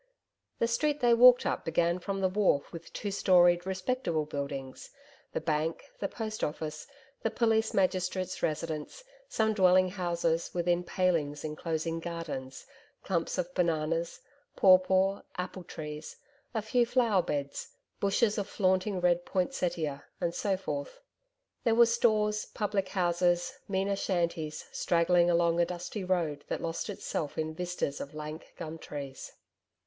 The street they walked up began from the wharf with two storied respectable buildings the Bank, the Post Office, the police magistrate's residence, some dwelling houses, within palings enclosing gardens clumps of bananas, pawpaw apple trees, a few flower beds, bushes of flaunting red poinsettia, and so forth. There were stores, public houses, meaner shanties straggling along a dusty road that lost itself in vistas of lank gum trees.